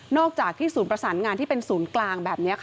อกจากที่ศูนย์ประสานงานที่เป็นศูนย์กลางแบบนี้ค่ะ